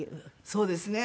そうですね。